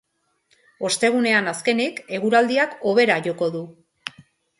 Ostegunean, azkenik, eguraldiak hobera joko du.